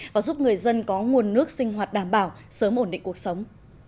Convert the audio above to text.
và giúp người dân có nguồn nước sinh hoạt đảm bảo sớm ổn định cuộc sống